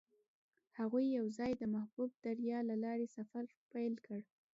هغوی یوځای د محبوب دریا له لارې سفر پیل کړ.